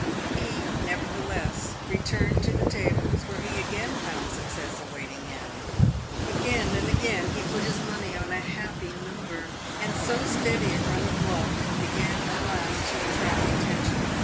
He, nevertheless, returned to the tables, where he again found success awaiting him. Again and again he put his money on a happy number, and so steady a run of luck began at last to attract attention.